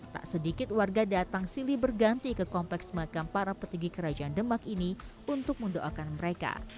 tak sedikit warga datang silih berganti ke kompleks makam para petinggi kerajaan demak ini untuk mendoakan mereka